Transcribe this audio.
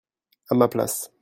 à ma place.